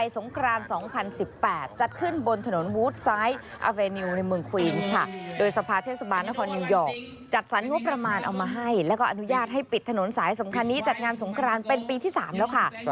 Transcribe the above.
สนุนสายสำคัญนี้จัดงานสงครานเป็นปีที่๓แล้วค่ะ